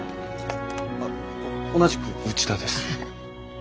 あっ同じく内田です。